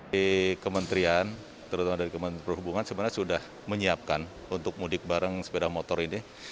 di kementerian terutama dari kementerian perhubungan sebenarnya sudah menyiapkan untuk mudik bareng sepeda motor ini